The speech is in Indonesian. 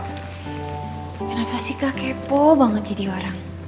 kenapa sih kak kepo banget jadi orang